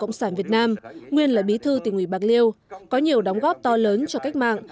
cộng sản việt nam nguyên là bí thư tỉnh ủy bạc liêu có nhiều đóng góp to lớn cho cách mạng